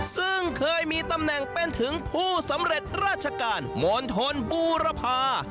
ซึ่งเคยมีตำแหน่งเป็นถึงผู้สำเร็จราชการมณฑลบูรพา